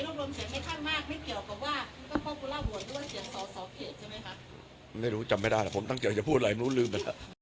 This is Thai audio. ไม่เกี่ยวกับว่าไม่รู้จำไม่ได้แต่ผมตั้งเกี่ยวจะพูดอะไรมันรู้ลืม